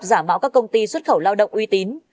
giả mạo các công ty xuất khẩu lao động uy tín